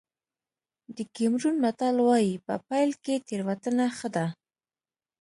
د کېمرون متل وایي په پيل کې تېروتنه ښه ده.